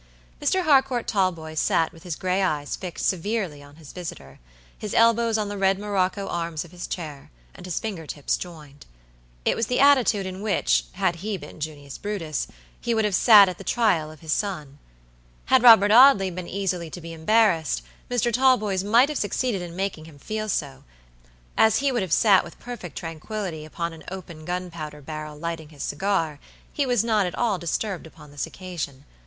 Mr. Harcourt Talboys sat with his gray eyes fixed severely on his visitor, his elbows on the red morocco arms of his chair, and his finger tips joined. It was the attitude in which, had he been Junius Brutus, he would have sat at the trial of his son. Had Robert Audley been easily to be embarrassed, Mr. Talboys might have succeeded in making him feel so: as he would have sat with perfect tranquility upon an open gunpowder barrel lighting his cigar, he was not at all disturbed upon this occasion.